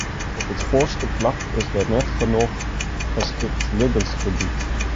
Op it foarste plak is der net genôch geskikt libbensgebiet.